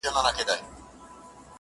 o د خوشحال پر لار چي نه درومي پښتونه,